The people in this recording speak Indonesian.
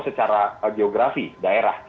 secara geografi daerah